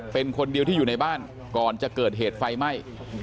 เป็นคนเดียวที่อยู่ในบ้านก่อนจะเกิดเหตุไฟไหม้